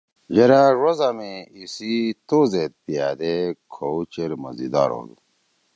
یرأ ڙوزا می ایسی تو زید پیادے کھؤ چیر مزیدار ہودُو!